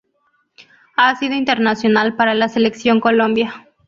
Ha sido internacional para la Selección Colombia.